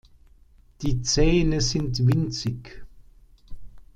Die Zähne sind winzig.